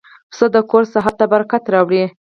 پسه د کور ساحت ته برکت راوړي.